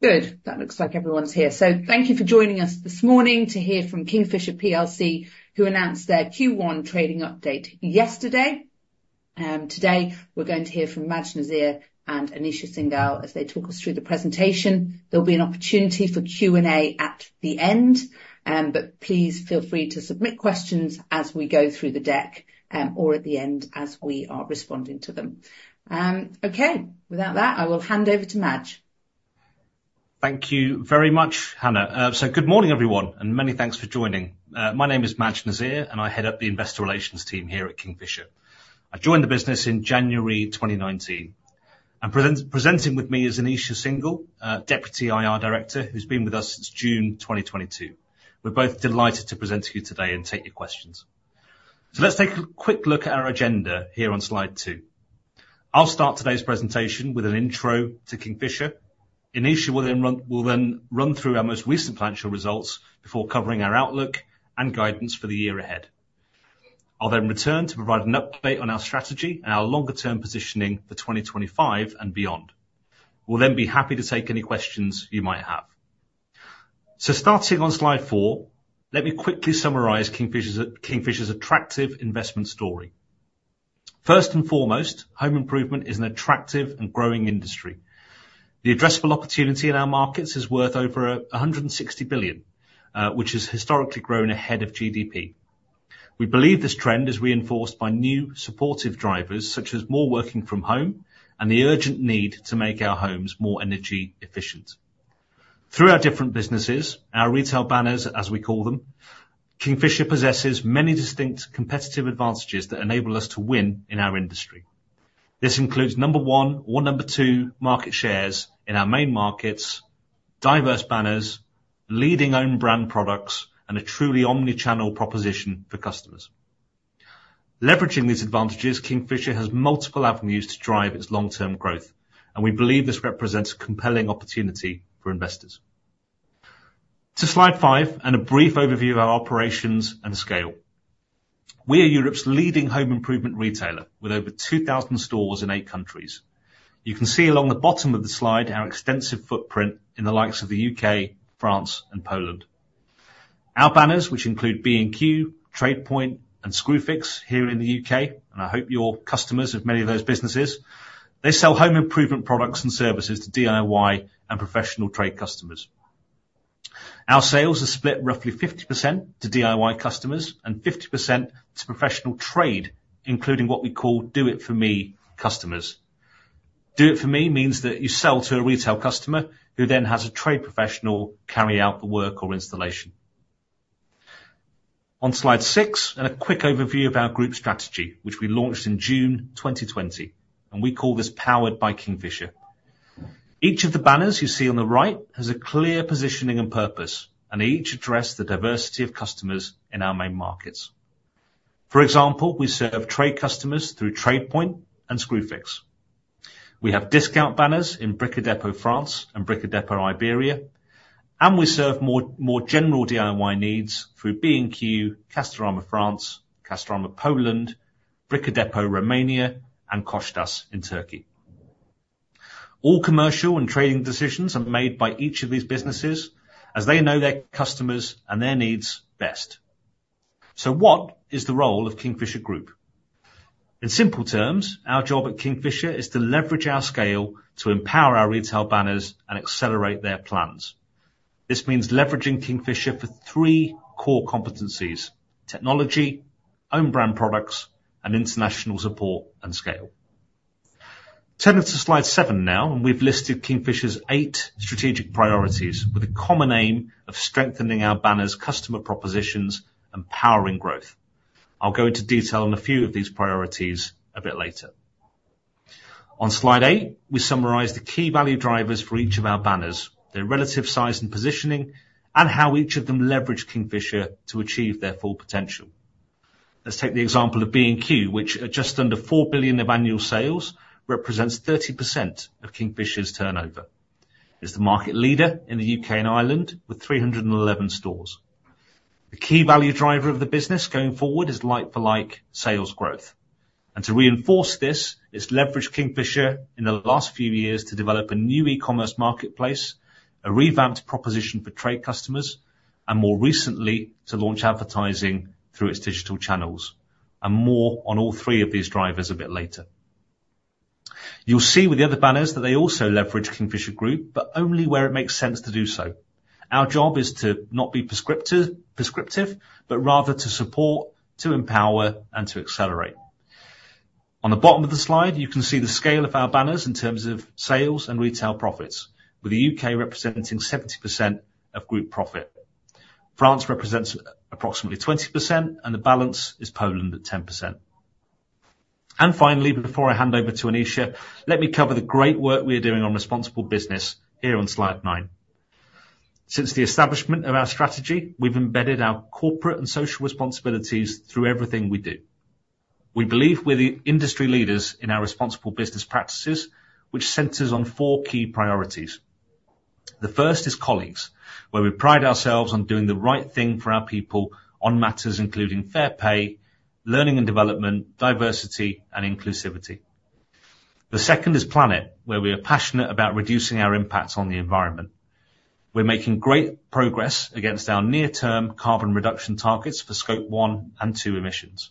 Good. That looks like everyone's here. So thank you for joining us this morning to hear from Kingfisher PLC, who announced their Q1 trading update yesterday. Today, we're going to hear from Maj Nazir and Anisha Singhal as they talk us through the presentation. There'll be an opportunity for Q&A at the end, but please feel free to submit questions as we go through the deck, or at the end as we are responding to them. Okay. With that, I will hand over to Maj. Thank you very much, Hannah. So good morning, everyone, and many thanks for joining. My name is Maj Nazir, and I head up the Investor Relations team here at Kingfisher. I joined the business in January 2019, and presenting with me is Anisha Singhal, Deputy IR Director, who's been with us since June 2022. We're both delighted to present to you today and take your questions. So let's take a quick look at our agenda here on slide two. I'll start today's presentation with an intro to Kingfisher. Anisha will then run through our most recent financial results before covering our outlook and guidance for the year ahead. I'll then return to provide an update on our strategy and our longer-term positioning for 2025 and beyond. We'll then be happy to take any questions you might have. So starting on slide four, let me quickly summarize Kingfisher's, Kingfisher's attractive investment story. First and foremost, home improvement is an attractive and growing industry. The addressable opportunity in our markets is worth over 160 billion, which has historically grown ahead of GDP. We believe this trend is reinforced by new, supportive drivers, such as more working from home and the urgent need to make our homes more energy efficient. Through our different businesses, our retail banners, as we call them, Kingfisher possesses many distinct competitive advantages that enable us to win in our industry. This includes number one or number two market shares in our main markets, diverse banners, leading own-brand products, and a truly Omni-channel proposition for customers. Leveraging these advantages, Kingfisher has multiple avenues to drive its long-term growth, and we believe this represents a compelling opportunity for investors. To slide five, and a brief overview of our operations and scale. We are Europe's leading home improvement retailer, with over 2,000 stores in eight countries. You can see along the bottom of the slide, our extensive footprint in the likes of the U.K., France, and Poland. Our banners, which include B&Q, TradePoint, and Screwfix here in the U.K., and I hope you're customers of many of those businesses, they sell home improvement products and services to DIY and professional trade customers. Our sales are split roughly 50% to DIY customers and 50% to professional trade, including what we call Do It For Me customers. Do It For Me means that you sell to a retail customer, who then has a trade professional carry out the work or installation. On slide six, a quick overview of our group strategy, which we launched in June 2020, and we call this Powered by Kingfisher. Each of the banners you see on the right has a clear positioning and purpose, and each address the diversity of customers in our main markets. For example, we serve trade customers through TradePoint and Screwfix. We have discount banners in Brico Dépôt France and Brico Dépôt Iberia, and we serve more, more general DIY needs through B&Q, Castorama France, Castorama Poland, Brico Dépôt Romania, and Koçtaş in Turkey. All commercial and trading decisions are made by each of these businesses, as they know their customers and their needs best. So what is the role of Kingfisher Group? In simple terms, our job at Kingfisher is to leverage our scale to empower our retail banners and accelerate their plans. This means leveraging Kingfisher for three core competencies: technology, own-brand products, and international support and scale. Turning to slide seven now, and we've listed Kingfisher's eight strategic priorities, with a common aim of strengthening our banners' customer propositions and powering growth. I'll go into detail on a few of these priorities a bit later. On slide eight, we summarize the key value drivers for each of our banners, their relative size and positioning, and how each of them leverage Kingfisher to achieve their full potential. Let's take the example of B&Q, which at just under 4 billion of annual sales, represents 30% of Kingfisher's turnover. It's the market leader in the U.K. and Ireland, with 311 stores. The key value driver of the business going forward is like-for-like sales growth. And to reinforce this, it's leveraged Kingfisher in the last few years to develop a new e-commerce marketplace, a revamped proposition for trade customers, and more recently, to launch advertising through its digital channels. And more on all three of these drivers a bit later. You'll see with the other banners that they also leverage Kingfisher Group, but only where it makes sense to do so. Our job is to not be prescriptive, but rather to support, to empower, and to accelerate. On the bottom of the slide, you can see the scale of our banners in terms of sales and retail profits, with the U.K. representing 70% of group profit. France represents approximately 20%, and the balance is Poland at 10%. And finally, before I hand over to Anisha, let me cover the great work we are doing on responsible business here on slide nine. Since the establishment of our strategy, we've embedded our corporate and social responsibilities through everything we do. We believe we're the industry leaders in our responsible business practices, which centers on four key priorities. The first is colleagues, where we pride ourselves on doing the right thing for our people on matters including fair pay, learning and development, diversity, and inclusivity. The second is planet, where we are passionate about reducing our impact on the environment. We're making great progress against our near-term carbon reduction targets for Scope one and two emissions,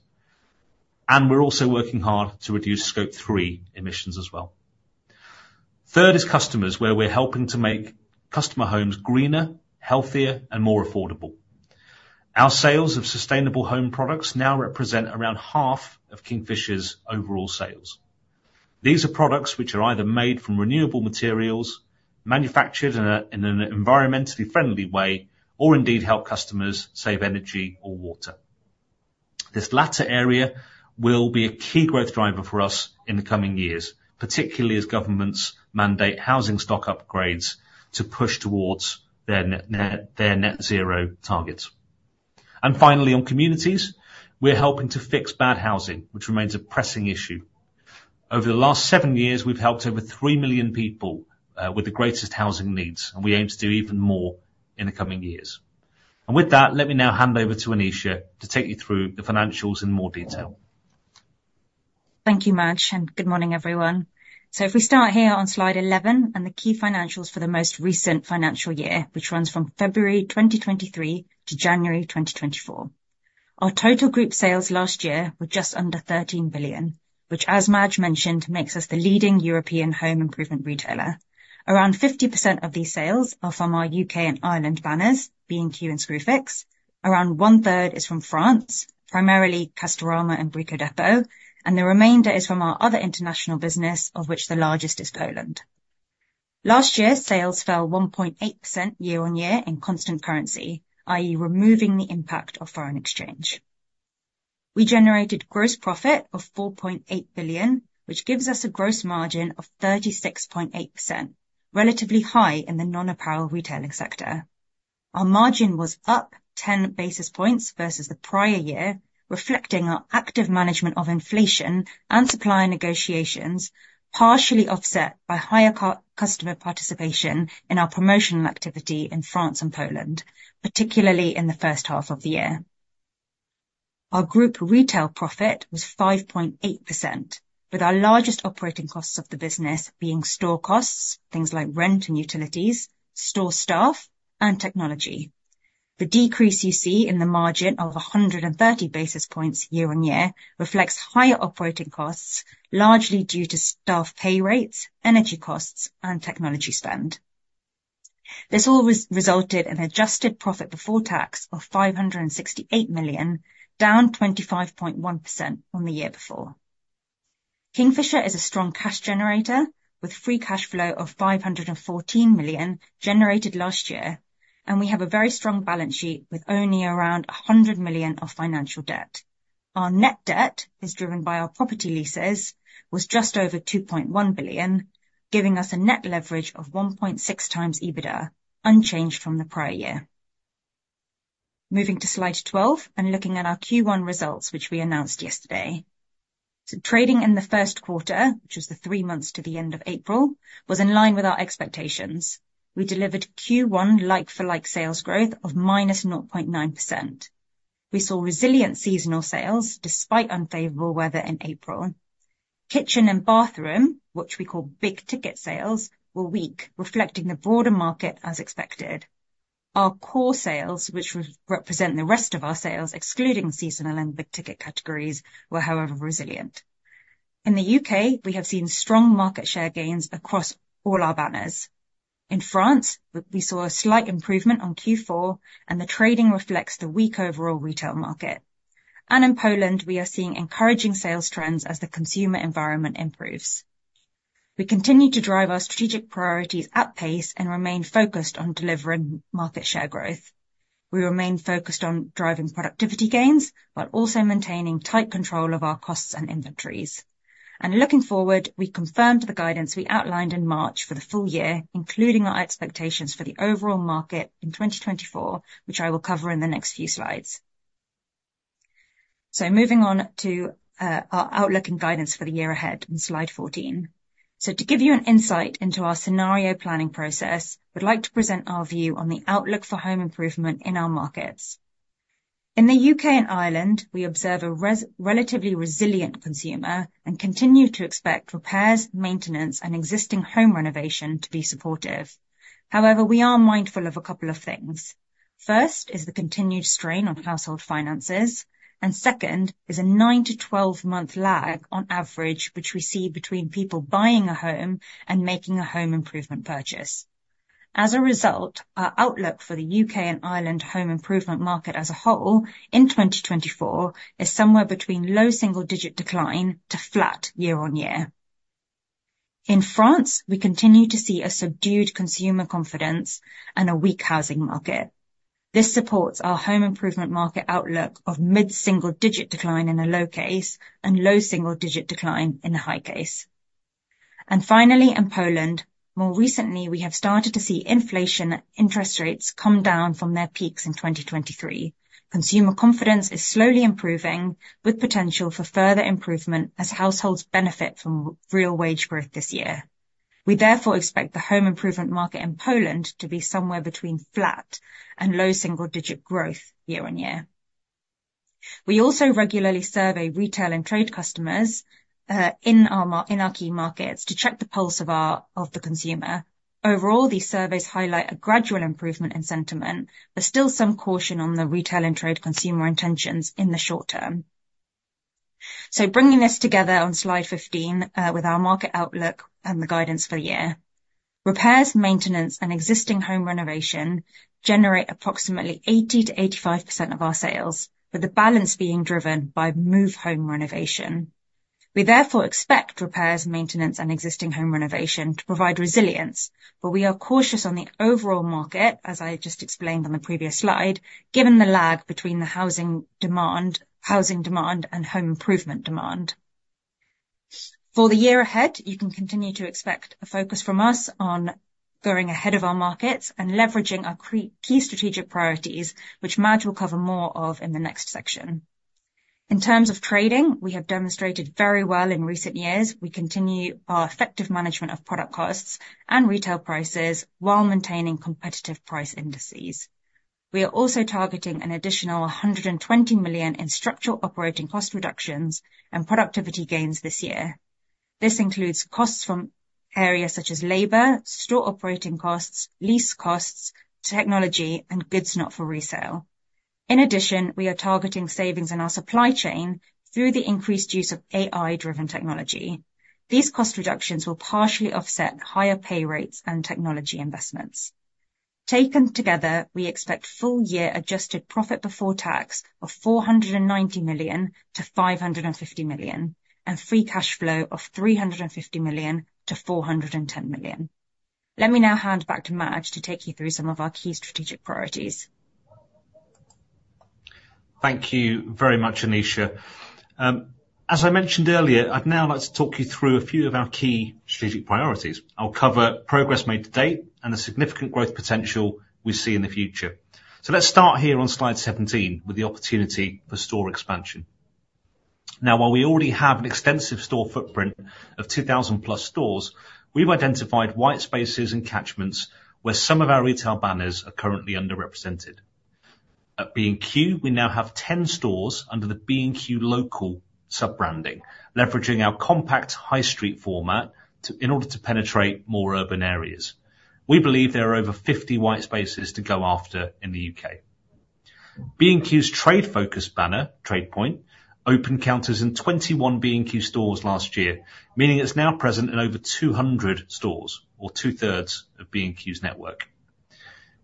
and we're also working hard to reduce Scope three net-zero emissions as well. Third is customers, where we're helping to make customer homes greener, healthier, and more affordable. Our sales of sustainable home products now represent around half of Kingfisher's overall sales. These are products which are either made from renewable materials, manufactured in an environmentally friendly way, or indeed help customers save energy or water. This latter area will be a key growth driver for us in the coming years, particularly as governments mandate housing stock upgrades to push towards their net zero targets. And finally, on communities, we're helping to fix bad housing, which remains a pressing issue. Over the last seven years, we've helped over three. million people with the greatest housing needs, and we aim to do even more in the coming years. And with that, let me now hand over to Anisha to take you through the financials in more detail. Thank you, Maj, and good morning, everyone. So if we start here on slide 11 and the key financials for the most recent financial year, which runs from February 2023 to January 2024. Our total group sales last year were just under 13 billion, which, as Maj mentioned, makes us the leading European home improvement retailer. Around 50% of these sales are from our U.K. and Ireland banners, B&Q and Screwfix. Around one-third is from France, primarily Castorama and Brico Dépôt, and the remainder is from our other international business, of which the largest is Poland. Last year, sales fell 1.8% year-on-year in constant currency, i.e., removing the impact of foreign exchange. We generated gross profit of 4.8 billion, which gives us a gross margin of 36.8%, relatively high in the non-apparel retailing sector. Our margin was up 10 basis points versus the prior year, reflecting our active management of inflation and supply negotiations, partially offset by higher customer participation in our promotional activity in France and Poland, particularly in the first half of the year. Our group retail profit was 5.8%, with our largest operating costs of the business being store costs, things like rent and utilities, store staff and technology. The decrease you see in the margin of 130 basis points year-on-year reflects higher operating costs, largely due to staff pay rates, energy costs, and technology spend. This all resulted in Adjusted Profit before tax of 568 million, down 25.1% from the year before. Kingfisher is a strong cash generator, with free cash flow of 514 million generated last year, and we have a very strong balance sheet with only around 100 million of financial debt. Our net debt, driven by our property leases, was just over 2.1 billion, giving us a net leverage of 1.6x EBITDA, unchanged from the prior year. Moving to slide 12 and looking at our Q1 results, which we announced yesterday. Trading in the first quarter, which was the three months to the end of April, was in line with our expectations. We delivered Q1 like-for-like sales growth of -0.9%. We saw resilient seasonal sales despite unfavorable weather in April. Kitchen and bathroom, which we call Big Ticket sales, were weak, reflecting the broader market as expected. Our core sales, which represent the rest of our sales, excluding seasonal and Big Ticket categories, were however, resilient. In the U.K., we have seen strong market share gains across all our banners. In France, we saw a slight improvement on Q4, and the trading reflects the weak overall retail market. In Poland, we are seeing encouraging sales trends as the consumer environment improves. We continue to drive our strategic priorities at pace and remain focused on delivering market share growth. We remain focused on driving productivity gains, but also maintaining tight control of our costs and inventories. Looking forward, we confirmed the guidance we outlined in March for the full year, including our expectations for the overall market in 2024, which I will cover in the next few slides. Moving on to our outlook and guidance for the year ahead on slide 14. So to give you an insight into our scenario planning process, we'd like to present our view on the outlook for home improvement in our markets. In the U.K. and Ireland, we observe a relatively resilient consumer and continue to expect repairs, maintenance, and existing home renovation to be supportive. However, we are mindful of a couple of things. First, is the continued strain on household finances, and second, is a nine-to-12-month lag on average, which we see between people buying a home and making a home improvement purchase. As a result, our outlook for the U.K. and Ireland home improvement market as a whole in 2024 is somewhere between low single-digit decline to flat year-on-year. In France, we continue to see a subdued consumer confidence and a weak housing market. This supports our home improvement market outlook of mid-single digit decline in the low case and low single digit decline in the high case. And finally, in Poland, more recently, we have started to see inflation interest rates come down from their peaks in 2023. Consumer confidence is slowly improving, with potential for further improvement as households benefit from real wage growth this year. We therefore expect the home improvement market in Poland to be somewhere between flat and low single-digit growth year-on-year. We also regularly survey retail and trade customers in our key markets to check the pulse of our, of the consumer. Overall, these surveys highlight a gradual improvement in sentiment, but still some caution on the retail and trade consumer intentions in the short term. So bringing this together on slide 15, with our market outlook and the guidance for the year. Repairs, maintenance, and existing home renovation generate approximately 80%-85% of our sales, with the balance being driven by move home renovation. We therefore expect repairs, maintenance, and existing home renovation to provide resilience, but we are cautious on the overall market, as I just explained on the previous slide, given the lag between the housing demand and home improvement demand. For the year ahead, you can continue to expect a focus from us on going ahead of our markets and leveraging our key strategic priorities, which Maj will cover more of in the next section. In terms of trading, we have demonstrated very well in recent years. We continue our effective management of product costs and retail prices while maintaining competitive price indices. We are also targeting an additional 120 million in structural operating cost reductions and productivity gains this year. This includes costs from areas such as labor, store operating costs, lease costs, technology, and goods not for resale. In addition, we are targeting savings in our supply chain through the increased use of AI-driven technology. These cost reductions will partially offset higher pay rates and technology investments. Taken together, we expect full-year adjusted profit before tax of 490 million-550 million, and free cash flow of 350 million-410 million. Let me now hand back to Maj to take you through some of our key strategic priorities. Thank you very much, Anisha. As I mentioned earlier, I'd now like to talk you through a few of our key strategic priorities. I'll cover progress made to date and the significant growth potential we see in the future. So let's start here on slide 17 with the opportunity for store expansion. Now, while we already have an extensive store footprint of 2,000+ stores, we've identified white spaces and catchments where some of our retail banners are currently underrepresented. At B&Q, we now have 10 stores under the B&Q Local sub-branding, leveraging our compact high street format to penetrate more urban areas. We believe there are over 50 white spaces to go after in the U.K. B&Q's trade-focused banner, TradePoint, opened counters in 21 B&Q stores last year, meaning it's now present in over 200 stores, or 2/3 of B&Q's network.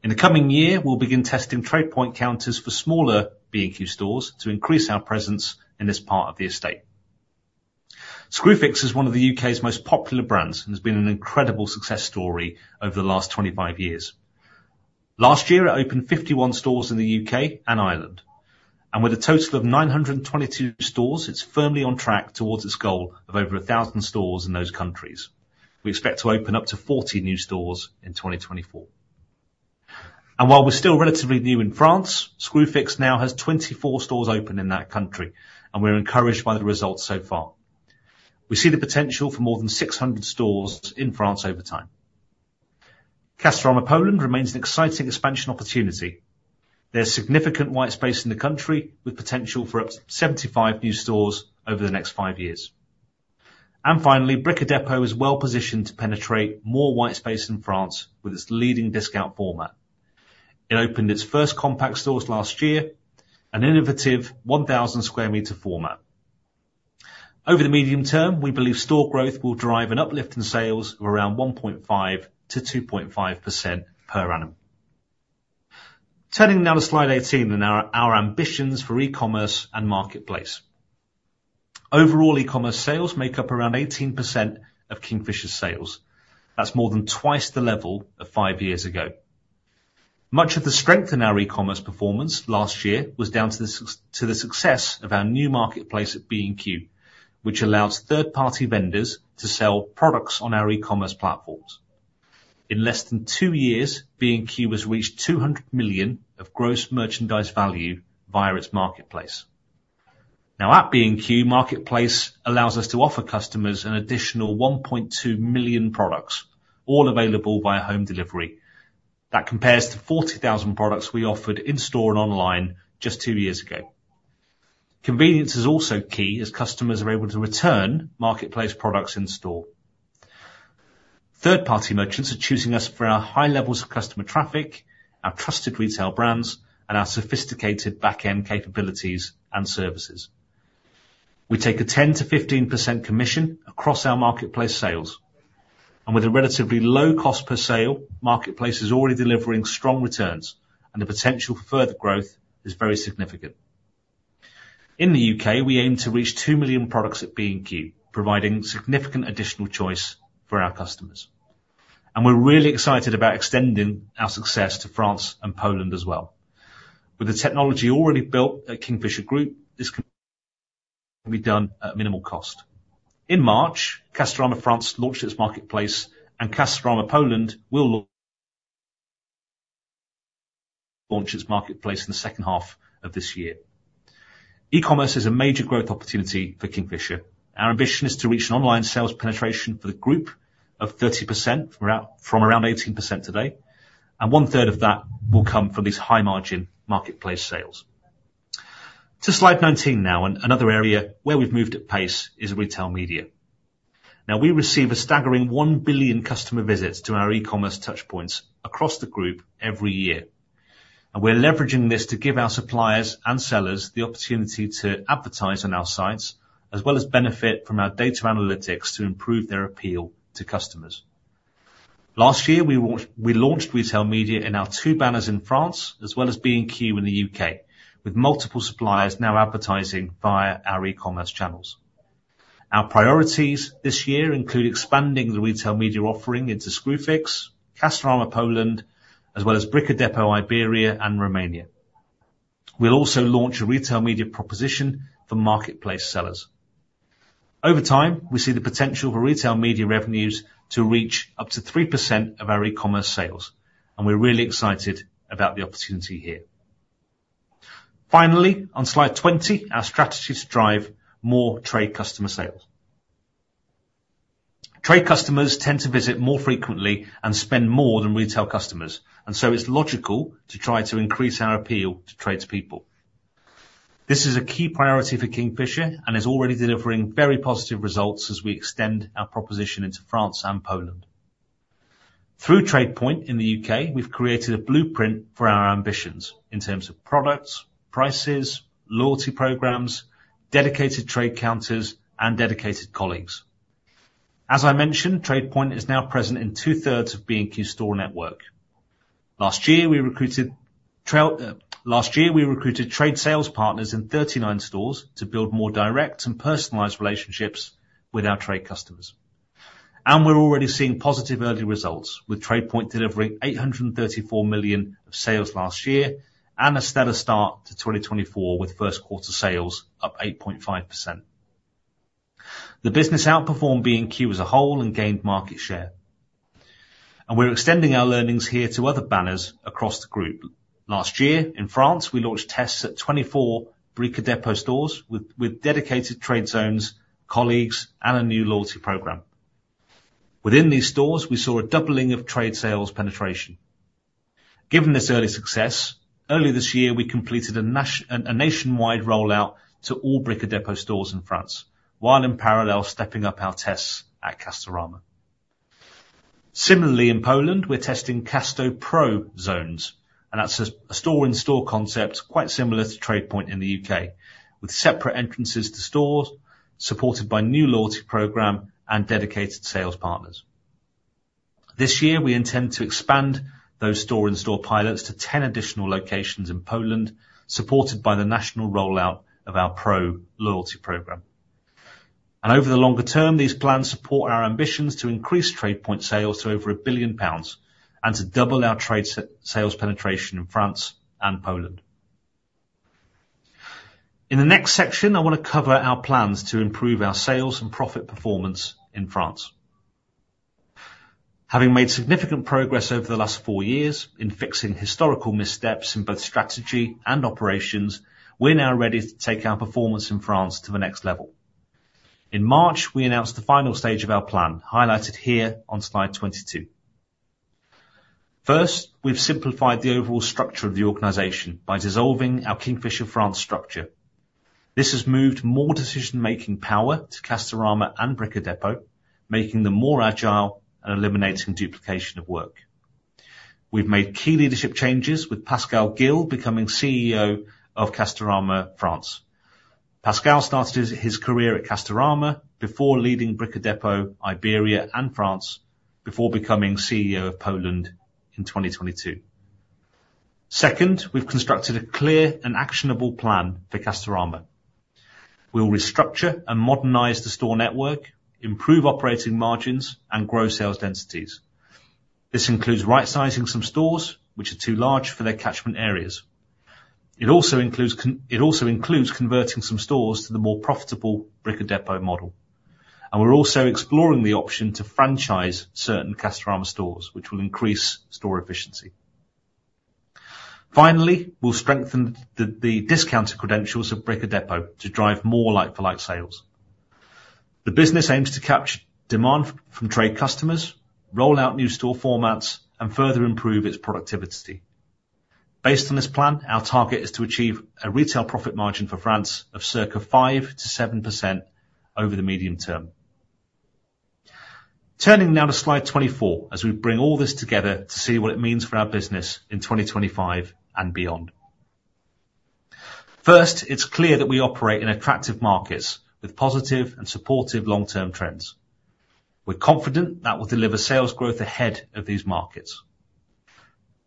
In the coming year, we'll begin testing TradePoint counters for smaller B&Q stores to increase our presence in this part of the estate. Screwfix is one of the U.K.'s most popular brands and has been an incredible success story over the last 25 years. Last year, it opened 51 stores in the U.K. and Ireland, and with a total of 922 stores, it's firmly on track towards its goal of over 1,000 stores in those countries. We expect to open up to 40 new stores in 2024. While we're still relatively new in France, Screwfix now has 24 stores open in that country, and we're encouraged by the results so far. We see the potential for more than 600 stores in France over time. Castorama Poland remains an exciting expansion opportunity. There's significant white space in the country, with potential for up to 75 new stores over the next five years. Finally, Brico Dépôt is well-positioned to penetrate more white space in France with its leading discount format. It opened its first compact stores last year, an innovative 1,000 sq m format. Over the medium term, we believe store growth will drive an uplift in sales of around 1.5%-2.5% per annum. Turning now to slide 18 and our ambitions for e-commerce and marketplace. Overall, e-commerce sales make up around 18% of Kingfisher's sales. That's more than twice the level of five years ago. Much of the strength in our e-commerce performance last year was down to the success of our new marketplace at B&Q, which allows third-party vendors to sell products on our e-commerce platforms. In less than two years, B&Q has reached 200 million of Gross Merchandise Value via its Marketplace. Now, at B&Q, Marketplace allows us to offer customers an additional 1.2 million products, all available via home delivery. That compares to 40,000 products we offered in store and online just two years ago. Convenience is also key, as customers are able to return Marketplace products in-store. Third-party merchants are choosing us for our high levels of customer traffic, our trusted retail brands, and our sophisticated back-end capabilities and services. We take a 10%-15% commission across our Marketplace sales, and with a relatively low cost per sale, Marketplace is already delivering strong returns, and the potential for further growth is very significant. In the U.K., we aim to reach 2 million products at B&Q, providing significant additional choice for our customers. We're really excited about extending our success to France and Poland as well. With the technology already built at Kingfisher Group, this can be done at minimal cost. In March, Castorama France launched its marketplace, and Castorama Poland will launch its marketplace in the second half of this year. E-commerce is a major growth opportunity for Kingfisher. Our ambition is to reach an online sales penetration for the group of 30% from around 18% today, and one third of that will come from these high-margin marketplace sales. To slide 19 now, and another area where we've moved at pace is retail media. Now, we receive a staggering one billion customer visits to our e-commerce touchpoints across the group every year, and we're leveraging this to give our suppliers and sellers the opportunity to advertise on our sites, as well as benefit from our data analytics to improve their appeal to customers. Last year, we launched retail media in our two banners in France, as well as B&Q in the U.K., with multiple suppliers now advertising via our e-commerce channels. Our priorities this year include expanding the retail media offering into Screwfix, Castorama Poland, as well as Brico Dépôt Iberia and Romania. We'll also launch a retail media proposition for marketplace sellers. Over time, we see the potential for retail media revenues to reach up to 3% of our e-commerce sales, and we're really excited about the opportunity here. Finally, on slide 20, our strategy to drive more trade customer sales. Trade customers tend to visit more frequently and spend more than retail customers, and so it's logical to try to increase our appeal to tradespeople. This is a key priority for Kingfisher, and is already delivering very positive results as we extend our proposition into France and Poland. Through TradePoint in the U.K., we've created a blueprint for our ambitions in terms of products, prices, loyalty programs, dedicated trade counters and dedicated colleagues. As I mentioned, TradePoint is now present in two-thirds of B&Q store network. Last year, we recruited trade sales partners in 39 stores to build more direct and personalized relationships with our trade customers. We're already seeing positive early results, with TradePoint delivering 834 million of sales last year and a stellar start to 2024, with first quarter sales up 8.5%. The business outperformed B&Q as a whole and gained market share, and we're extending our learnings here to other banners across the group. Last year, in France, we launched tests at 24 Brico Dépôt stores with dedicated trade zones, colleagues, and a new loyalty program. Within these stores, we saw a doubling of trade sales penetration. Given this early success, early this year, we completed a nationwide rollout to all Brico Dépôt stores in France, while in parallel, stepping up our tests at Castorama. Similarly, in Poland, we're testing CastoPro Zones, and that's a store-in-store concept, quite similar to TradePoint in the U.K., with separate entrances to stores, supported by new loyalty program and dedicated sales partners. This year, we intend to expand those store-in-store pilots to 10 additional locations in Poland, supported by the national rollout of our Pro loyalty program. And over the longer term, these plans support our ambitions to increase TradePoint sales to over 1 billion pounds and to double our trade sales penetration in France and Poland. In the next section, I want to cover our plans to improve our sales and profit performance in France. Having made significant progress over the last four years in fixing historical missteps in both strategy and operations, we're now ready to take our performance in France to the next level. In March, we announced the final stage of our plan, highlighted here on slide 22. First, we've simplified the overall structure of the organization by dissolving our Kingfisher France structure. This has moved more decision-making power to Castorama and Brico Dépôt, making them more agile and eliminating duplication of work. We've made key leadership changes with Pascal Gillet becoming CEO of Castorama France. Pascal started his career at Castorama before leading Brico Dépôt Iberia and France, before becoming CEO of Poland in 2022. Second, we've constructed a clear and actionable plan for Castorama. We'll restructure and modernize the store network, improve operating margins, and grow sales densities. This includes right-sizing some stores which are too large for their catchment areas. It also includes converting some stores to the more profitable Brico Dépôt model, and we're also exploring the option to franchise certain Castorama stores, which will increase store efficiency. Finally, we'll strengthen the discounted credentials of Brico Dépôt to drive more like-for-like sales. The business aims to capture demand from trade customers, roll out new store formats, and further improve its productivity. Based on this plan, our target is to achieve a retail profit margin for France of circa 5%-7% over the medium term. Turning now to slide 24, as we bring all this together to see what it means for our business in 2025 and beyond. First, it's clear that we operate in attractive markets with positive and supportive long-term trends. We're confident that we'll deliver sales growth ahead of these markets.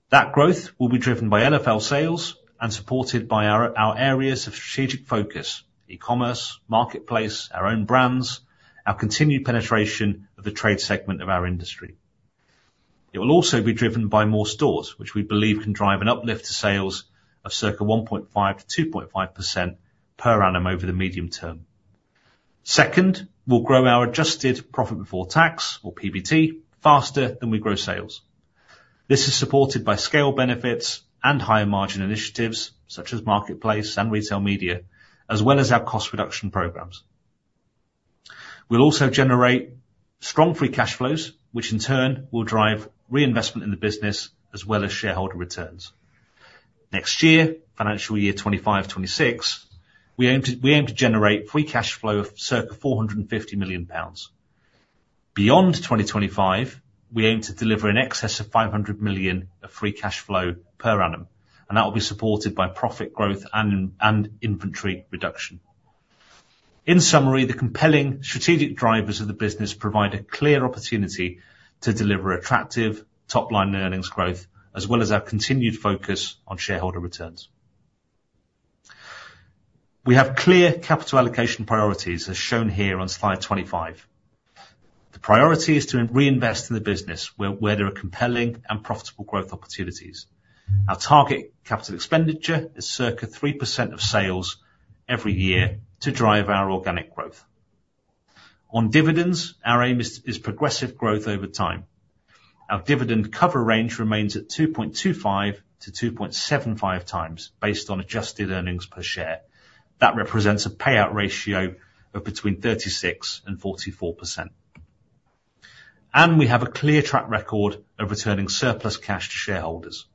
That growth will be driven by LFL sales and supported by our areas of strategic focus: e-commerce, marketplace, our own brands, our continued penetration of the trade segment of our industry. It will also be driven by more stores, which we believe can drive an uplift to sales of circa 1.5%-2.5% per annum over the medium term. Second, we'll grow our Adjusted Profit Before Tax, or PBT, faster than we grow sales. This is supported by scale benefits and higher-margin initiatives, such as Marketplace and Retail Media, as well as our cost reduction programs. We'll also generate strong Free Cash Flows, which in turn will drive reinvestment in the business, as well as shareholder returns. Next year, financial year 2025, 2026, we aim to generate Free Cash Flow of circa 450 million pounds. Beyond 2025, we aim to deliver in excess of 500 million of free cash flow per annum, and that will be supported by profit growth and inventory reduction. In summary, the compelling strategic drivers of the business provide a clear opportunity to deliver attractive top-line earnings growth, as well as our continued focus on shareholder returns. We have clear capital allocation priorities, as shown here on slide 25. The priority is to reinvest in the business where there are compelling and profitable growth opportunities. Our target capital expenditure is circa 3% of sales every year to drive our organic growth. On dividends, our aim is progressive growth over time. Our dividend cover range remains at 2.25-2.75 times, based on adjusted earnings per share. That represents a payout ratio of between 36% and 44%. We have a clear track record of returning surplus cash to shareholders.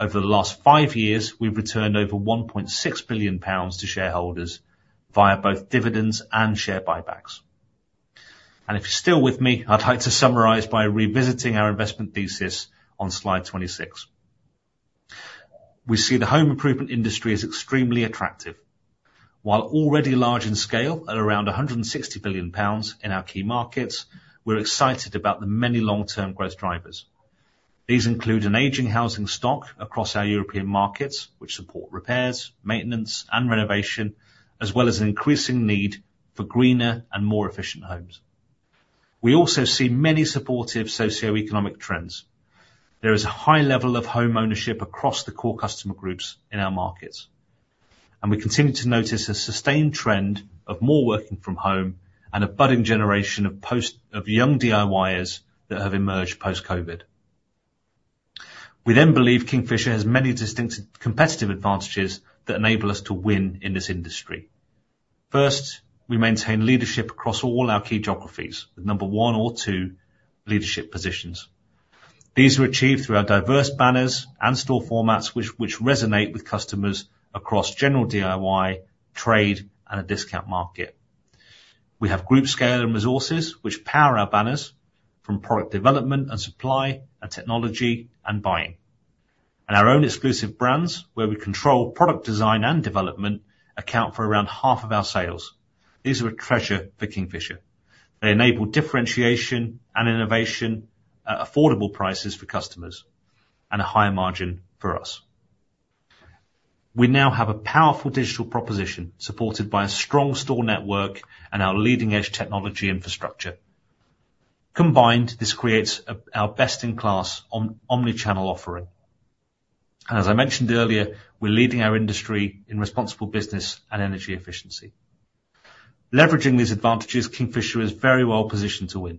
Over the last five years, we've returned over 1.6 billion pounds to shareholders via both dividends and share buybacks. If you're still with me, I'd like to summarize by revisiting our investment thesis on slide 26. We see the home improvement industry as extremely attractive. While already large in scale, at around 160 billion pounds in our key markets, we're excited about the many long-term growth drivers. These include an aging housing stock across our European markets, which support repairs, maintenance, and renovation, as well as an increasing need for greener and more efficient homes. We also see many supportive socioeconomic trends. There is a high level of homeownership across the core customer groups in our markets, and we continue to notice a sustained trend of more working from home and a budding generation of post- of young DIYers that have emerged post-COVID. We then believe Kingfisher has many distinct competitive advantages that enable us to win in this industry. First, we maintain leadership across all our key geographies, with number one or two leadership positions. These are achieved through our diverse banners and store formats, which resonate with customers across general DIY, trade, and the discount market. We have group scale and resources, which power our banners from product development and supply and technology and buying. And our own exclusive brands, where we control product design and development, account for around half of our sales. These are a treasure for Kingfisher. They enable differentiation and innovation at affordable prices for customers and a higher margin for us. We now have a powerful digital proposition, supported by a strong store network and our leading-edge technology infrastructure. Combined, this creates our best-in-class omni-channel offering. And as I mentioned earlier, we're leading our industry in responsible business and energy efficiency. Leveraging these advantages, Kingfisher is very well-positioned to win.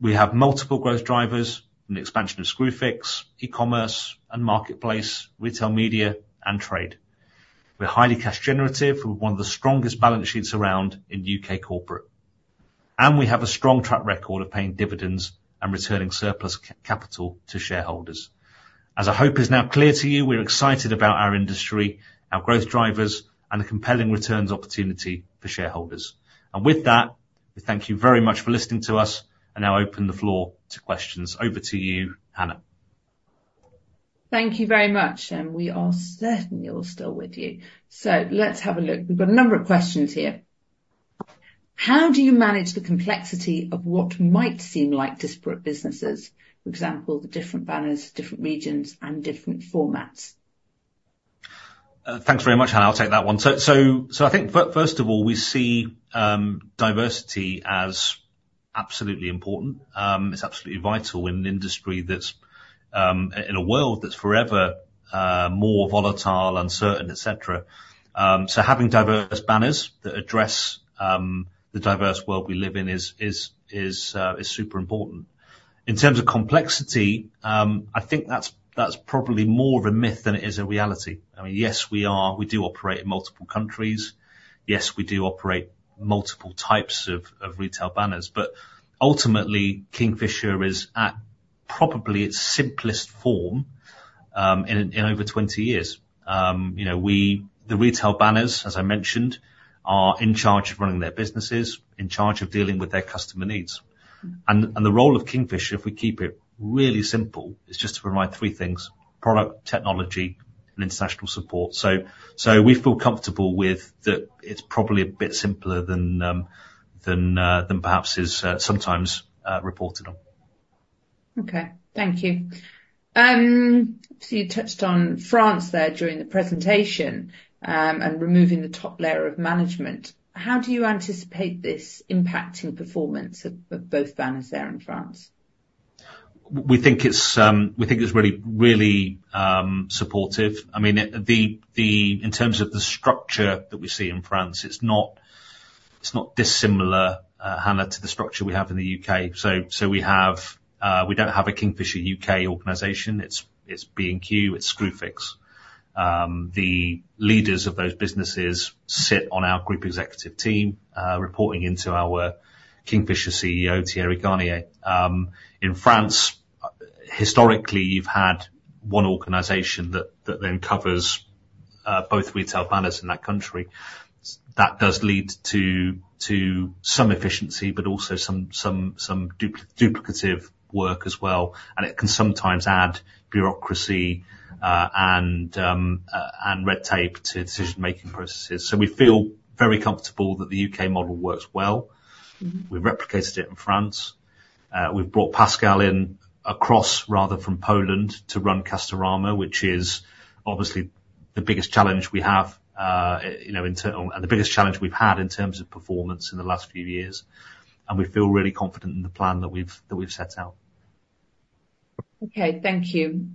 We have multiple growth drivers, from the expansion of Screwfix, e-commerce, and marketplace, retail media, and trade. We're highly cash generative with one of the strongest balance sheets around in U.K. corporate, and we have a strong track record of paying dividends and returning surplus capital to shareholders. As I hope is now clear to you, we're excited about our industry, our growth drivers, and the compelling returns opportunity for shareholders. With that, we thank you very much for listening to us, and now open the floor to questions. Over to you, Hannah. Thank you very much, and we are certainly all still with you. Let's have a look. We've got a number of questions here. How do you manage the complexity of what might seem like disparate businesses, for example, the different banners, different regions, and different formats? Thanks very much, Hannah. I'll take that one. So, first of all, we see diversity as absolutely important. It's absolutely vital in an industry that's in a world that's forever more volatile, uncertain, et cetera. So having diverse banners that address the diverse world we live in is super important. In terms of complexity, I think that's probably more of a myth than it is a reality. I mean, yes, we are, we do operate in multiple countries. Yes, we do operate multiple types of retail banners, but ultimately, Kingfisher is at probably its simplest form in over 20 years. You know, we... The retail banners, as I mentioned, are in charge of running their businesses, in charge of dealing with their customer needs. The role of Kingfisher, if we keep it really simple, is just to provide three things: product, technology, and international support. So we feel comfortable with that it's probably a bit simpler than perhaps is sometimes reported on. Okay. Thank you. So you touched on France there during the presentation, and removing the top layer of management. How do you anticipate this impacting performance of both banners there in France? We think it's really, really supportive. I mean, the, the, in terms of the structure that we see in France, it's not dissimilar, Hannah, to the structure we have in the U.K.. So we have, we don't have a Kingfisher U.K. organization. It's B&Q, it's Screwfix. The leaders of those businesses sit on our group executive team, reporting into our Kingfisher CEO, Thierry Garnier. In France, historically, you've had one organization that then covers both retail banners in that country. That does lead to some efficiency, but also some duplicative work as well, and it can sometimes add bureaucracy and red tape to decision-making processes. So we feel very comfortable that the U.K. model works well. Mm-hmm. We've replicated it in France. We've brought Pascal in across, rather, from Poland to run Castorama, which is obviously the biggest challenge we have, you know, and the biggest challenge we've had in terms of performance in the last few years, and we feel really confident in the plan that we've, that we've set out. Okay, thank you.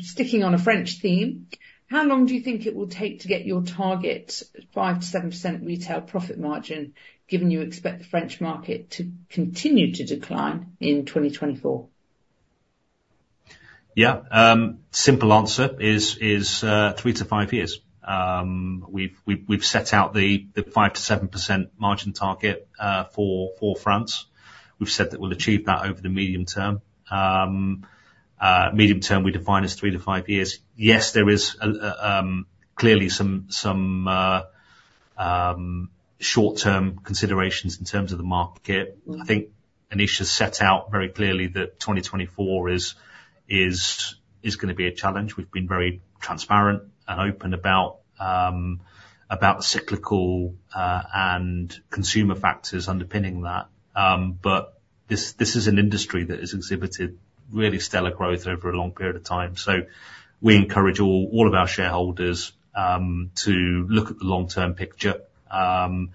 Sticking on a French theme, how long do you think it will take to get your target 5%-7% retail profit margin, given you expect the French market to continue to decline in 2024? Yeah. Simple answer is three to five years. We've set out the 5%-7% margin target for France. We've said that we'll achieve that over the medium term. Medium term, we define as three to five years. Yes, there is clearly some short-term considerations in terms of the market. Mm. I think Anisha set out very clearly that 2024 is gonna be a challenge. We've been very transparent and open about the cyclical and consumer factors underpinning that. But this is an industry that has exhibited really stellar growth over a long period of time. So we encourage our shareholders to look at the long-term picture where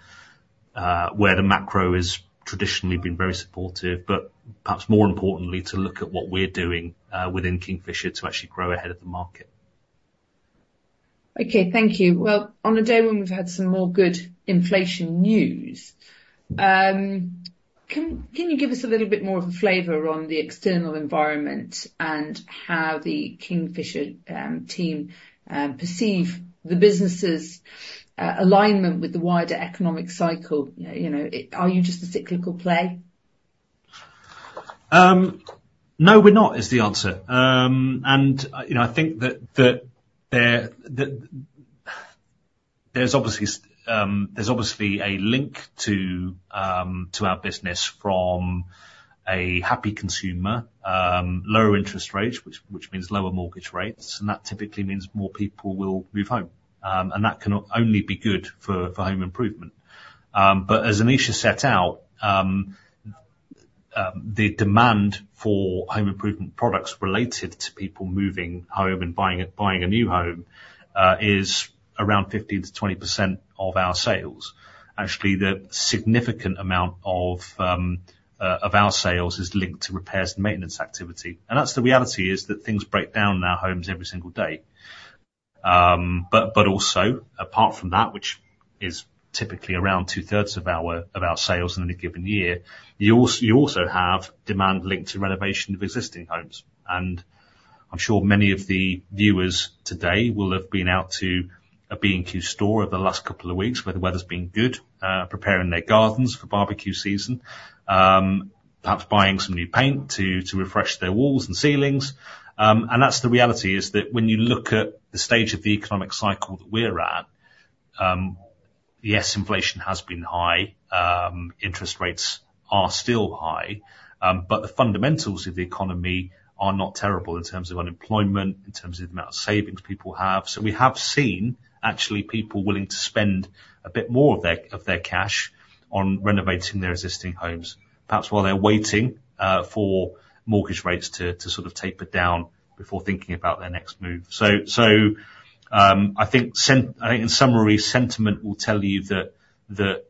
the macro has traditionally been very supportive, but perhaps more importantly, to look at what we're doing within Kingfisher to actually grow ahead of the market. Okay, thank you. Well, on a day when we've had some more good inflation news, can you give us a little bit more of a flavor on the external environment and how the Kingfisher team perceive the businesses' alignment with the wider economic cycle? You know, are you just a cyclical play? No, we're not, is the answer. You know, I think that there's obviously a link to our business from a happy consumer, lower interest rates, which means lower mortgage rates, and that typically means more people will move home, and that can only be good for home improvement. But as Anisha set out, the demand for home improvement products related to people moving home and buying a new home is around 15%-20% of our sales. Actually, the significant amount of our sales is linked to repairs and maintenance activity, and that's the reality, is that things break down in our homes every single day. But also, apart from that, which is typically around 2/3 of our sales in any given year, you also have demand linked to renovation of existing homes, and I'm sure many of the viewers today will have been out to a B&Q store over the last couple of weeks, where the weather's been good, preparing their gardens for barbecue season, perhaps buying some new paint to refresh their walls and ceilings. And that's the reality, is that when you look at the stage of the economic cycle that we're at, yes, inflation has been high, interest rates are still high, but the fundamentals of the economy are not terrible in terms of unemployment, in terms of the amount of savings people have. So we have seen, actually, people willing to spend a bit more of their cash on renovating their existing homes, perhaps while they're waiting for mortgage rates to sort of taper down before thinking about their next move. So, I think in summary, sentiment will tell you that the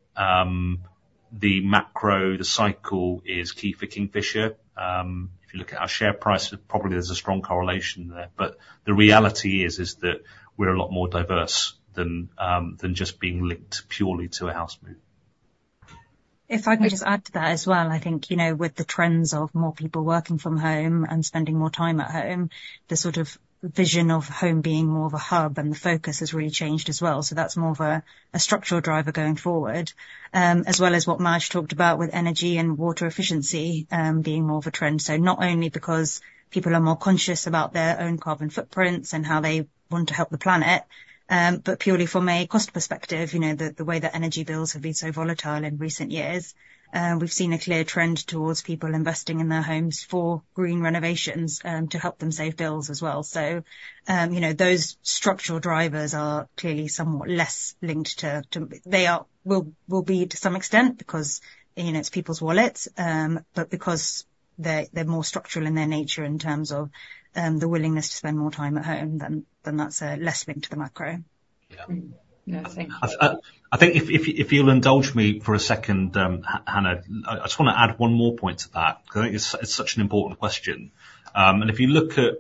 macro, the cycle, is key for Kingfisher. If you look at our share price, probably there's a strong correlation there, but the reality is that we're a lot more diverse than just being linked purely to a house move. If I can just add to that as well, I think, you know, with the trends of more people working from home and spending more time at home, the sort of vision of home being more of a hub and the focus has really changed as well, so that's more of a, a structural driver going forward. As well as what Maj talked about with energy and water efficiency, being more of a trend. So not only because people are more conscious about their own carbon footprints and how they want to help the planet, but purely from a cost perspective, you know, the, the way that energy bills have been so volatile in recent years. We've seen a clear trend towards people investing in their homes for green renovations, to help them save bills as well. So, you know, those structural drivers are clearly somewhat less linked to. They will be to some extent, because, you know, it's people's wallets, but because they're more structural in their nature in terms of the willingness to spend more time at home, then that's less linked to the macro. Yeah. Mm. Yeah, thank you. I think if you'll indulge me for a second, Hannah, I just wanna add one more point to that because I think it's such an important question. And if you look at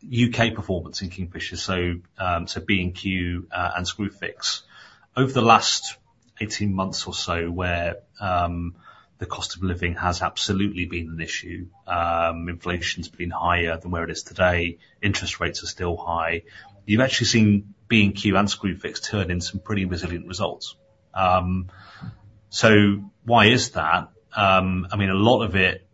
U.K. performance in Kingfisher, so B&Q and Screwfix. Over the last 18 months or so, where the cost of living has absolutely been an issue, inflation's been higher than where it is today, interest rates are still high. You've actually seen B&Q and Screwfix turn in some pretty resilient results. So why is that? I mean, a lot of it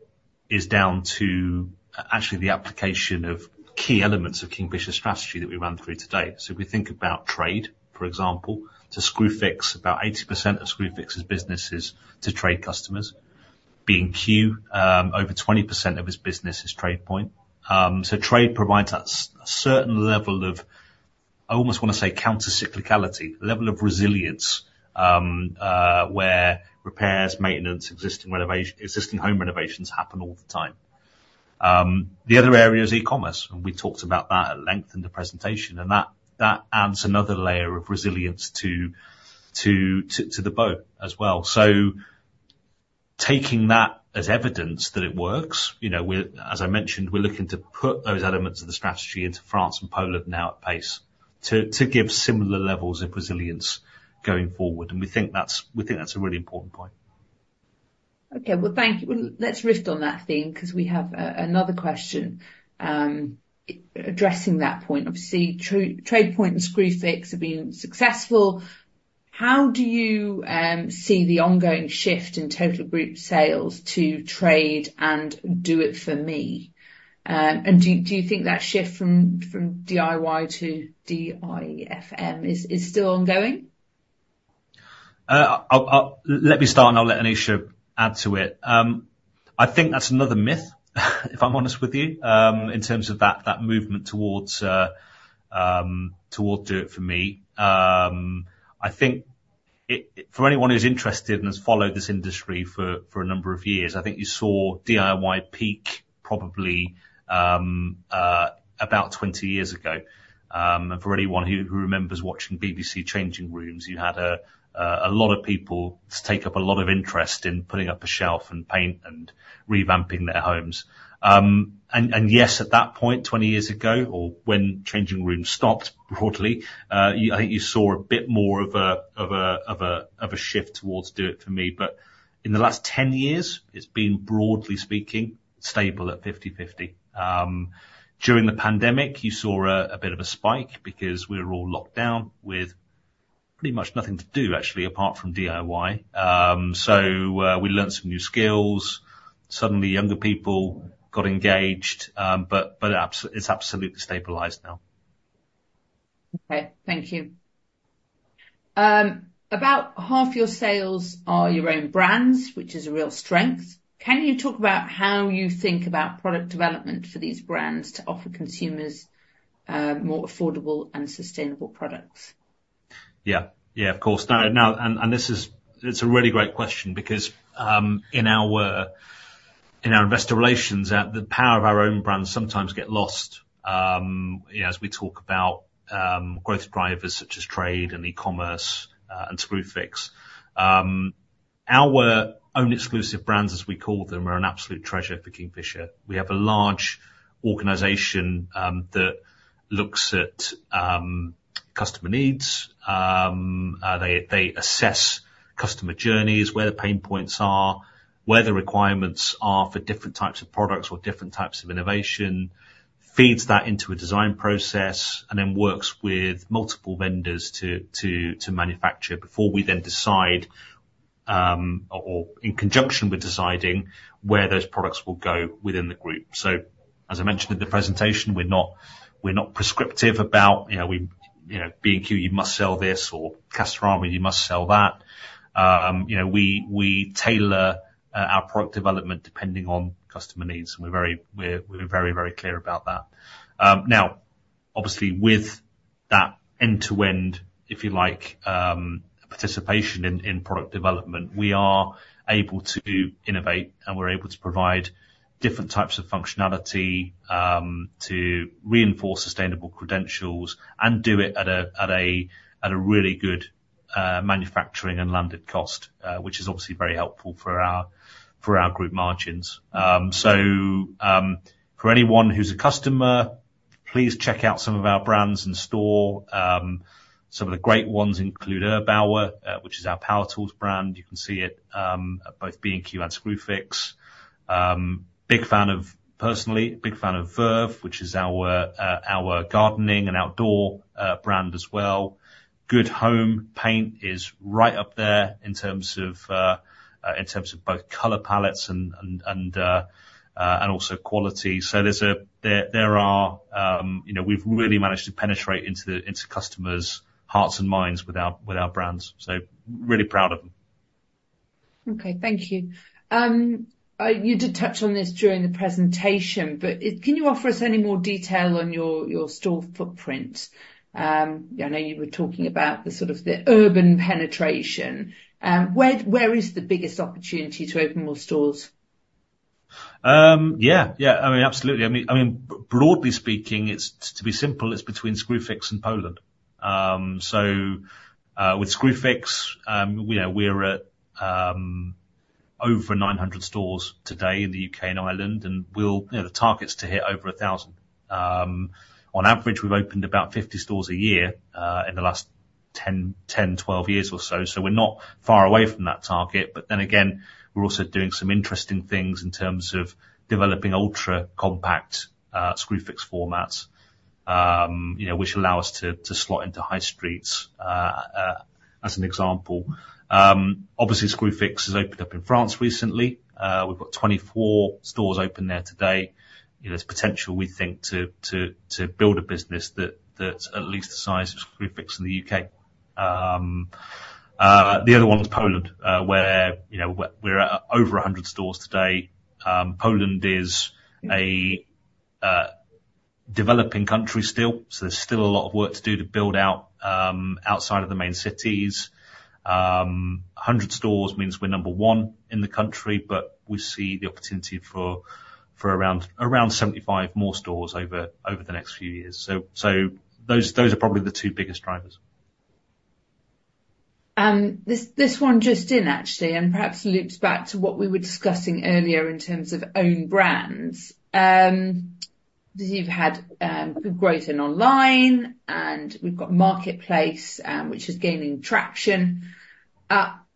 is down to actually the application of key elements of Kingfisher's strategy that we ran through today. So if we think about trade, for example, to Screwfix, about 80% of Screwfix's business is to trade customers. B&Q, over 20% of its business is TradePoint. So trade provides us a certain level of, I almost want to say, counter cyclicality, level of resilience, where repairs, maintenance, existing home renovations happen all the time. The other area is e-commerce, and we talked about that at length in the presentation, and that adds another layer of resilience to the bow as well. So taking that as evidence that it works, you know, we're, as I mentioned, we're looking to put those elements of the strategy into France and Poland now at pace, to give similar levels of resilience going forward, and we think that's a really important point. Okay, well, thank you. Well, let's riff on that theme, 'cause we have another question addressing that point. Obviously, Trade Point and Screwfix have been successful. How do you see the ongoing shift in total group sales to trade and Do It For Me? And do you think that shift from DIY to DIFM is still ongoing? Let me start, and I'll let Anisha add to it. I think that's another myth, if I'm honest with you, in terms of that, that movement towards Do It For Me. I think for anyone who's interested and has followed this industry for a number of years, I think you saw DIY peak probably about 20 years ago. And for anyone who remembers watching BBC Changing Rooms, you had a lot of people take up a lot of interest in putting up a shelf, and paint, and revamping their homes. Yes, at that point, 20 years ago, or when Changing Rooms stopped, broadly, I think you saw a bit more of a shift towards Do It For Me, but in the last 10 years, it's been, broadly speaking, stable at 50/50. During the pandemic, you saw a bit of a spike because we were all locked down with pretty much nothing to do, actually, apart from DIY. We learned some new skills. Suddenly, younger people got engaged, but it's absolutely stabilized now. Okay. Thank you. About half your sales are your own brands, which is a real strength. Can you talk about how you think about product development for these brands to offer consumers more affordable and sustainable products? Yeah. Yeah, of course. This is a really great question because in our investor relations, the power of our own brands sometimes get lost, you know, as we talk about growth drivers such as trade and e-commerce and Screwfix. Our own exclusive brands, as we call them, are an absolute treasure for Kingfisher. We have a large organization that looks at customer needs. They assess customer journeys, where the pain points are, where the requirements are for different types of products or different types of innovation, feeds that into a design process, and then works with multiple vendors to manufacture, before we then decide, or in conjunction with deciding, where those products will go within the group. So as I mentioned in the presentation, we're not prescriptive about, you know, "B&Q, you must sell this," or, "Castorama, you must sell that." You know, we tailor our product development depending on customer needs, and we're very, very clear about that. Now, obviously, with that end-to-end, if you like, participation in product development, we are able to innovate, and we're able to provide different types of functionality to reinforce sustainable credentials and do it at a really good manufacturing and landed cost, which is obviously very helpful for our group margins. So, for anyone who's a customer, please check out some of our brands in store. Some of the great ones include Erbauer, which is our power tools brand. You can see it at both B&Q and Screwfix. Big fan of, personally, big fan of Verve, which is our our gardening and outdoor brand as well. GoodHome paint is right up there in terms of in terms of both color palettes and, and, and, and also quality. So there's a... There, there are, you know, we've really managed to penetrate into the, into customers' hearts and minds with our, with our brands, so really proud of them. Okay. Thank you. You did touch on this during the presentation, but can you offer us any more detail on your store footprint? I know you were talking about the sort of the urban penetration. Where is the biggest opportunity to open more stores? Yeah, yeah. I mean, absolutely. I mean, I mean, broadly speaking, it's, to be simple, it's between Screwfix and Poland. So, with Screwfix, you know, we're at over 900 stores today in the U.K. and Ireland, and we'll, you know, the target's to hit over a thousand. On average, we've opened about 50 stores a year in the last ten, twelve years or so, so we're not far away from that target. But then again, we're also doing some interesting things in terms of developing ultra compact Screwfix formats, you know, which allow us to slot into high streets, as an example. Obviously, Screwfix has opened up in France recently. We've got 24 stores open there today. You know, there's potential, we think, to build a business that's at least the size of Screwfix in the U.K.. The other one is Poland, where, you know, we're at over 100 stores today. Poland is a developing country still, so there's still a lot of work to do to build out outside of the main cities. 100 stores means we're number one in the country, but we see the opportunity for around 75 more stores over the next few years. So those are probably the two biggest drivers. This one just in, actually, and perhaps loops back to what we were discussing earlier in terms of own brands. You've had good growth in online, and we've got Marketplace, which is gaining traction.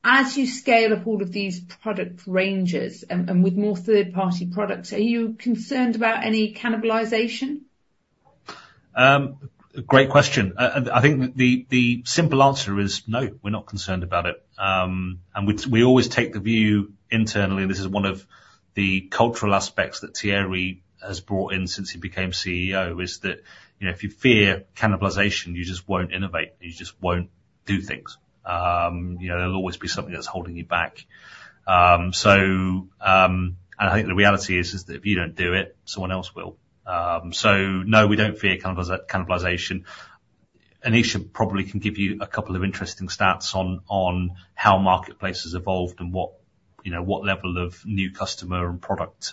As you scale up all of these product ranges and, and with more third-party products, are you concerned about any cannibalization? Great question. And I think the simple answer is no, we're not concerned about it. And we always take the view internally, and this is one of the cultural aspects that Thierry has brought in since he became CEO, is that, you know, if you fear cannibalization, you just won't innovate. You just won't do things. You know, there'll always be something that's holding you back. So, and I think the reality is that if you don't do it, someone else will. So no, we don't fear cannibalization. Anisha probably can give you a couple of interesting stats on how Marketplace has evolved and what, you know, what level of new customer and product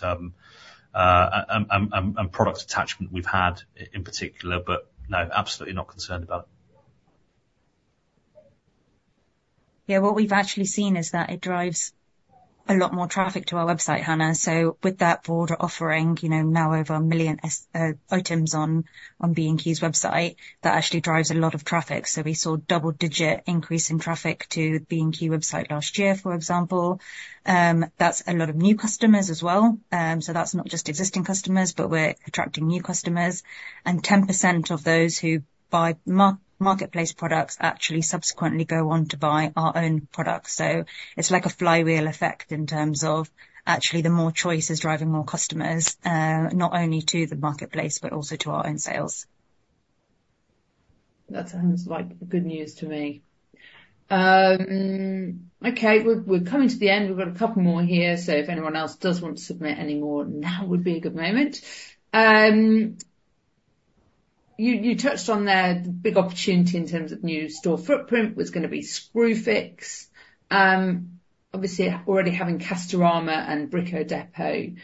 and product attachment we've had in particular, but no, absolutely not concerned about it. Yeah, what we've actually seen is that it drives a lot more traffic to our website, Hannah. So with that broader offering, you know, now over 1 million items on B&Q's website, that actually drives a lot of traffic. So we saw double-digit increase in traffic to the B&Q website last year, for example. That's a lot of new customers as well. So that's not just existing customers, but we're attracting new customers, and 10% of those who buy Marketplace products actually subsequently go on to buy our own products. So it's like a flywheel effect in terms of actually, the more choice is driving more customers, not only to the Marketplace, but also to our own sales. That sounds like good news to me. Okay, we're coming to the end. We've got a couple more here, so if anyone else does want to submit any more, now would be a good moment. You touched on the big opportunity in terms of new store footprint was gonna be Screwfix. Obviously, already having Castorama and Brico Dépôt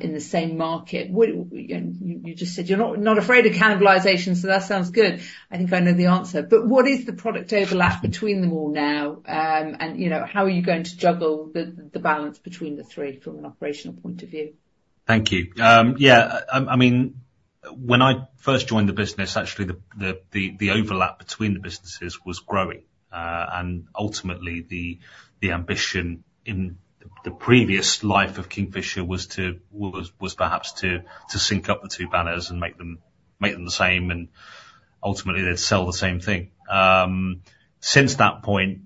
in the same market. And you just said you're not afraid of cannibalization, so that sounds good. I think I know the answer, but what is the product overlap between them all now? And, you know, how are you going to juggle the balance between the three from an operational point of view? Thank you. Yeah, I mean, when I first joined the business, actually, the overlap between the businesses was growing. And ultimately, the ambition in the previous life of Kingfisher was perhaps to sync up the two banners and make them the same, and ultimately, they'd sell the same thing. Since that point,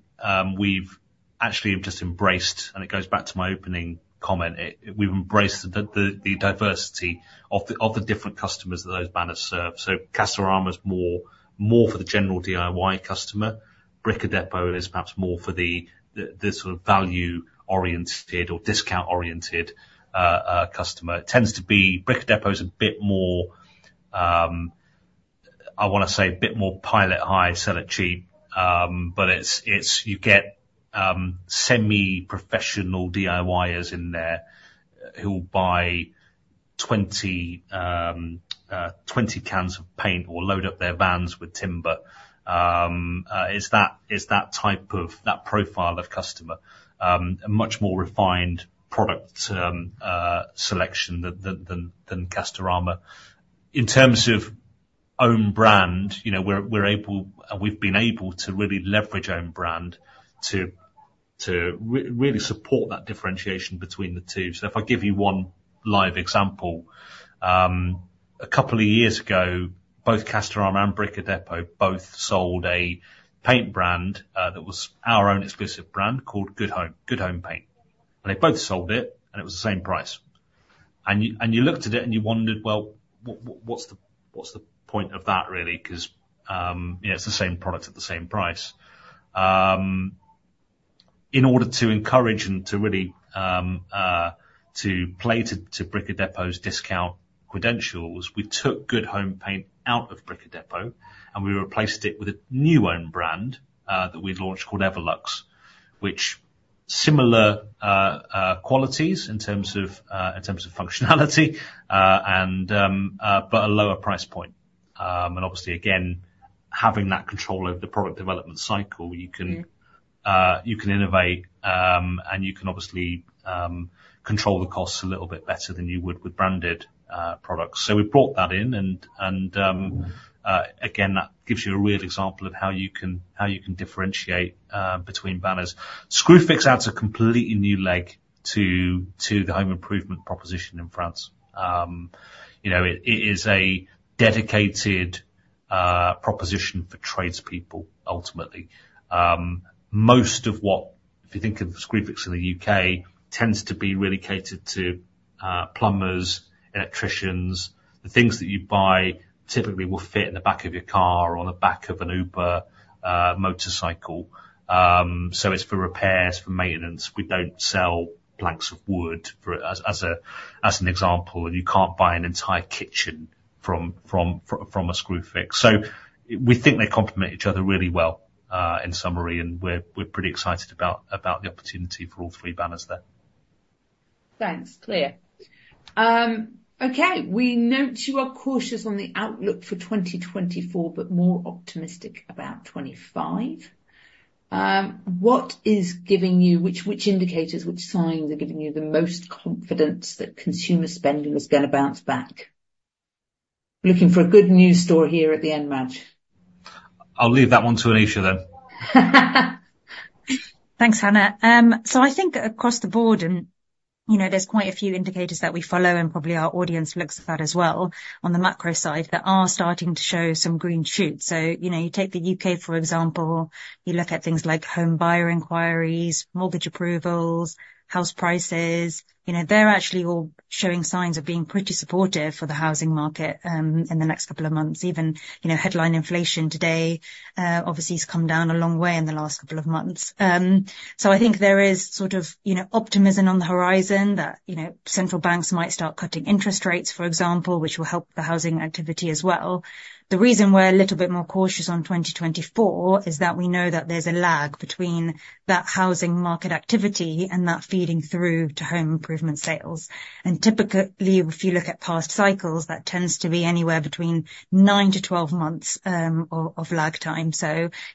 we've actually have just embraced, and it goes back to my opening comment, we've embraced the diversity of the different customers that those banners serve. So Castorama is more for the general DIY customer. Brico Dépôt is perhaps more for the sort of value-oriented or discount-oriented customer. Tends to be Brico Dépôt is a bit more, I wanna say, a bit more buy it high, sell it cheap. But it's—it's you get semi-professional DIYers in there who will buy 20, 20 cans of paint or load up their vans with timber. It's that, it's that type of, that profile of customer. A much more refined product selection than, than, than Castorama. In terms of own brand, you know, we're, we're able, we've been able to really leverage own brand to, to really support that differentiation between the two. So if I give you one live example, a couple of years ago, both Castorama and Brico Dépôt both sold a paint brand that was our own exclusive brand called GoodHome, GoodHome Paint. And they both sold it, and it was the same price. You looked at it, and you wondered, "Well, what's the point of that, really?" 'Cause, you know, it's the same product at the same price. In order to encourage and to really to play to Brico Dépôt's discount credentials, we took GoodHome Paint out of Brico Dépôt, and we replaced it with a new own brand that we'd launched called Evolux, which similar qualities in terms of functionality and but a lower price point. And obviously, again, having that control over the product development cycle, you can- Mm-hmm. You can innovate, and you can obviously control the costs a little bit better than you would with branded products. So we brought that in, and again, that gives you a real example of how you can differentiate between banners. Screwfix adds a completely new leg to the home improvement proposition in France. You know, it is a dedicated proposition for tradespeople, ultimately. Most of what, if you think of Screwfix in the U.K., tends to be really catered to plumbers, electricians. The things that you buy typically will fit in the back of your car or on the back of an Uber motorcycle. So it's for repairs, for maintenance. We don't sell planks of wood for example, and you can't buy an entire kitchen from a Screwfix. So we think they complement each other really well, in summary, and we're pretty excited about the opportunity for all three banners there. Thanks. Clear. Okay, we note you are cautious on the outlook for 2024, but more optimistic about 2025. What is giving you... Which indicators, which signs are giving you the most confidence that consumer spending is gonna bounce back? Looking for a good news story here at the end, Maj. I'll leave that one to Anisha then. Thanks, Hannah. So I think across the board, you know, there's quite a few indicators that we follow, and probably our audience looks at that as well, on the macro side, that are starting to show some green shoots. So, you know, you take the U.K., for example, you look at things like home buyer inquiries, mortgage approvals, house prices, you know, they're actually all showing signs of being pretty supportive for the housing market in the next couple of months. Even, you know, headline inflation today, obviously has come down a long way in the last couple of months. So I think there is sort of, you know, optimism on the horizon that, you know, central banks might start cutting interest rates, for example, which will help the housing activity as well. The reason we're a little bit more cautious on 2024 is that we know that there's a lag between that housing market activity and that feeding through to home improvement sales. Typically, if you look at past cycles, that tends to be anywhere between nine-12 months of lag time.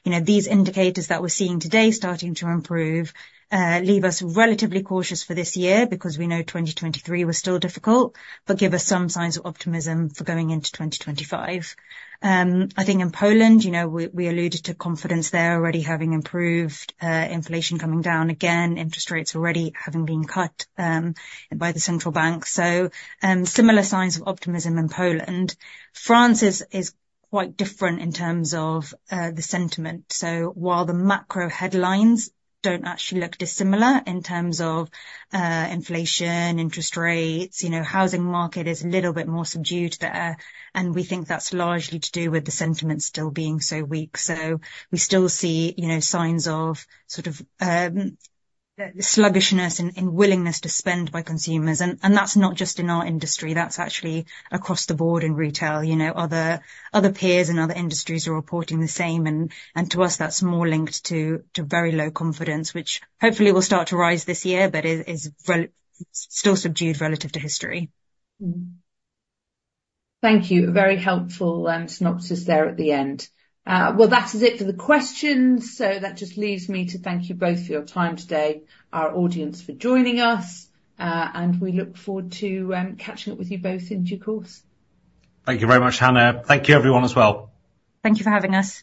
You know, these indicators that we're seeing today starting to improve leave us relatively cautious for this year because we know 2023 was still difficult, but give us some signs of optimism for going into 2025. I think in Poland, you know, we alluded to confidence there already having improved, inflation coming down again, interest rates already having been cut by the central bank. Similar signs of optimism in Poland. France is quite different in terms of the sentiment. So while the macro headlines don't actually look dissimilar in terms of inflation, interest rates, you know, housing market is a little bit more subdued there, and we think that's largely to do with the sentiment still being so weak. So we still see, you know, signs of sort of sluggishness and willingness to spend by consumers. And that's not just in our industry, that's actually across the board in retail. You know, other peers and other industries are reporting the same, and to us, that's more linked to very low confidence, which hopefully will start to rise this year, but is still subdued relative to history. Thank you. Very helpful synopsis there at the end. Well, that is it for the questions. So that just leaves me to thank you both for your time today, our audience for joining us, and we look forward to catching up with you both in due course. Thank you very much, Hannah. Thank you, everyone, as well. Thank you for having us.